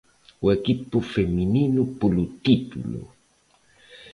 O equipo feminino polo título.